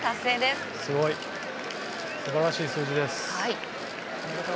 すごい。素晴らしい数字です。